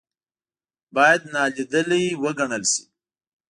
باید نا لیدلې وګڼل شي.